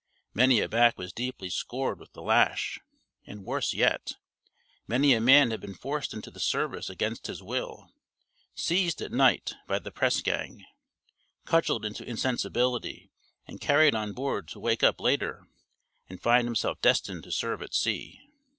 Many a back was deeply scored with the lash, and, worse yet, many a man had been forced into the service against his will, seized at night by the press gang, cudgeled into insensibility and carried on board to wake up later and find himself destined to serve at sea.